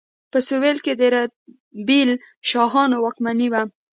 په سویل کې د رتبیل شاهانو واکمني وه.